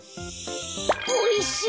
おいしい！